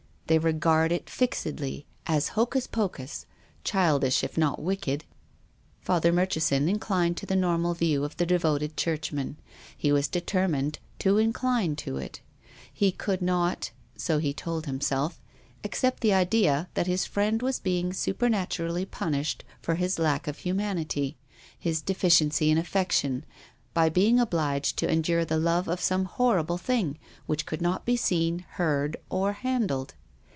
They regard it fixedly as hocus pocus, childish if not wicked. Father Murchison inclined to the normal view of the devoted churchman. He was determined to incline to it. He could not — so he now told himself — accept the idea that his friend was being supernaturally punished for his lack of humanity, his deficiency in affection, by being obliged to en dure the love of some horrible thing, which could not be seen, heard, or handled.